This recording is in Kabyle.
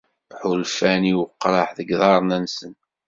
Ḥulfan i weqraḥ deg yiḍarren-nsen.